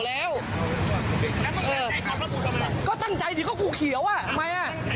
แล้วมึงชนรถกูทำไม